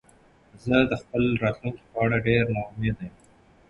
زه د خپل راتلونکې په اړه ډېره نا امیده یم